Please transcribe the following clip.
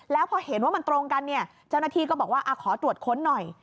แล้วพอเห็นว่ามันตรงกันเนี่ยเจ้าหน้าที่ก็บอกว่าขอตรวจค้นหน่อย